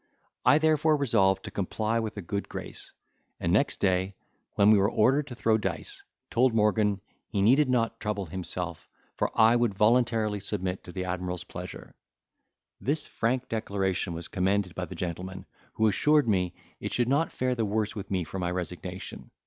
I therefore resolved to comply with a good grace, and next day, when we were ordered to throw dice, told Morgan he needed not trouble himself, for I would voluntarily submit to the admiral's pleasure. This frank declaration was commended by the gentleman, who assured me, it should not fare the worse with me for my resignation.